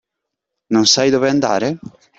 Non sai dove andare?